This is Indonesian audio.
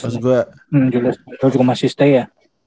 julius randall juga masih stay ya